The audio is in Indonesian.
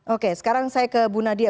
oke sekarang saya ke bu nadia